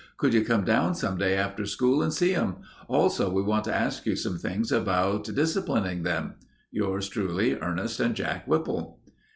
Could you come down some day after school and see them? Also we want to ask you some things about disaplining them. Yours truly, ERNEST AND JACK WHIPPLE.